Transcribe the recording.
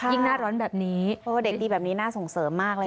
ยิ่งน่าร้อนแบบนี้เพราะว่าเด็กดีแบบนี้น่าส่งเสริมมากเลยนะ